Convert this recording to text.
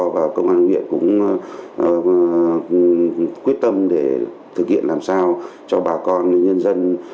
và cơ quan huyện cũng quyết tâm để thực hiện làm sao cho bà con nhân dân